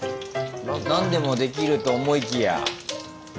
なんでもできると思いきや。